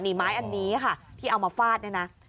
นี่ไม้อันนี้ค่ะที่เอามาฟาดเนี่ยนะ